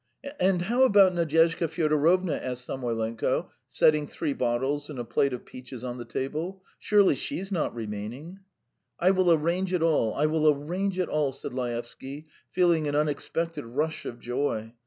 "And how about Nadyezhda Fyodorovna?" asked Samoylenko, setting three bottles and a plate of peaches on the table. "Surely she's not remaining?" "I will arrange it all, I will arrange it all," said Laevsky, feeling an unexpected rush of joy.